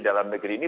dalam negeri ini